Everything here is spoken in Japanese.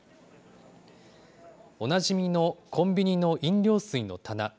おなじみのコンビニの飲料水の棚。